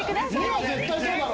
２は絶対そうだろ。